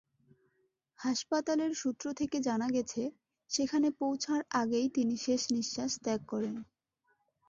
হাসপাতালের সূত্র থেকে জানা গেছে, সেখানে পৌঁছার আগেই তিনি শেষনিঃশ্বাস ত্যাগ করেন।